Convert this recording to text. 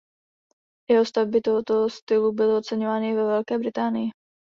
Jeho stavby tohoto stylu byly oceňovány i ve Velké Británii.